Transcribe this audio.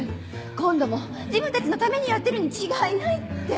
今度も自分たちのためにやってるに違いないって！